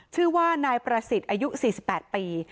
ชื่อว่านายประสิทธิ์อายุ๔๘ปี